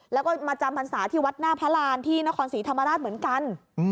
แล้วก็มาจำพรรษาที่วัดหน้าพระรานที่นครศรีธรรมราชเหมือนกัน